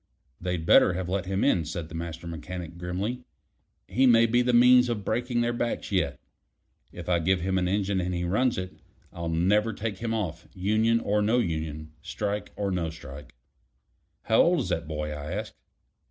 They'd better have let him in," said the Master Mechanic grimly. "He may be the means of breaking their backs yet. If I give him an engine and he runs it, I'll never take him off, union or no union, strike or no strike." "How old is that boy?" I asked.